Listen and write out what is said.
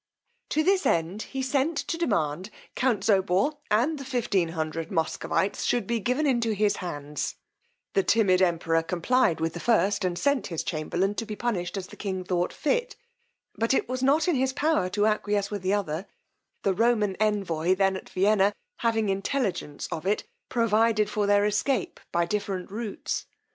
To this end he sent to demand count Zobor, and the 1500 Muscovites should be given into his hands: the timid emperor complied with the first and sent his chamberlain to be punished as the king thought fit; but it was not in his power to acquiesce with the other; the Roman envoy, then at Vienna, having intelligence of it, provided for their escape by different routs.